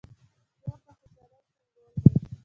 کور د خوشحالۍ سمبول دی.